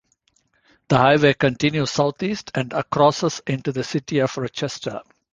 The highway continues southeast and crosses into the city of Rochester.